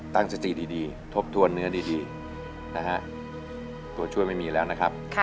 ตั้งสติดีทบทวนเนื้อดีนะฮะตัวช่วยไม่มีแล้วนะครับ